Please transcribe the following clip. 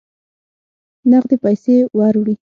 نغدي پیسې وروړي.